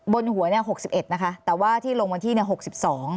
บนหัวเนี่ย๖๑นะคะแต่ว่าที่ลงวันที่เนี่ย๖๒